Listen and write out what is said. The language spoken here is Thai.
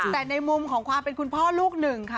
แต่ในมุมของความเป็นคุณพ่อลูกหนึ่งค่ะ